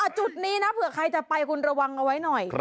จุดนี้นะเผื่อใครจะไปคุณระวังเอาไว้หน่อย